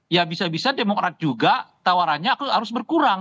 ya bisa bisa demokrat juga tawarannya harus berkurang